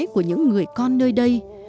của những người con nơi đây